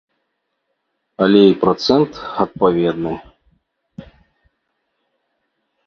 Але і працэнт адпаведны.